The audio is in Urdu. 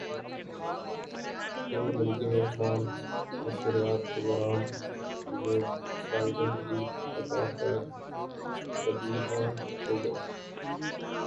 جب امریکی میزبان نشریات کے دوران جو بائیڈن کی فتح پر بدیدہ ہوگئے